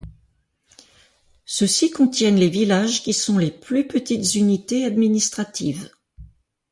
Ceux-ci contiennent les villages qui sont les plus petites unités administratives.